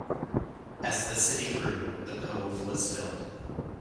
As the city grew, the cove was filled.